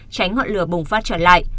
tránh ngọn lửa bùng phát trở lại